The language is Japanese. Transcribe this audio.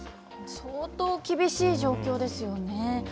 相当厳しい状況ですよね。